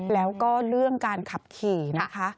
แล้วก็เรื่องการขับขี่นะคะ